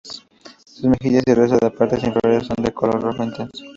Sus mejillas y el resto de partes inferiores son de color rojo intenso.